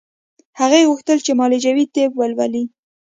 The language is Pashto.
هغې غوښتل چې معالجوي طب ولولي